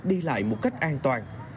đi lại một cách an toàn